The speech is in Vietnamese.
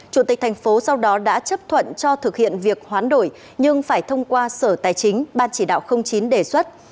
chủ tịch thành phố sau đó đã chấp thuận cho thực hiện việc hoán đổi nhưng phải thông qua sở tài chính ban chỉ đạo chín đề xuất